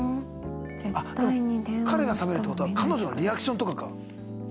彼が冷めるって事は彼女のリアクションとかか？